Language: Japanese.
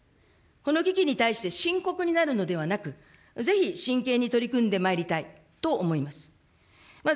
この危機に対して深刻になるのではなく、ぜひ真剣に取り組んでまいりたいと思います。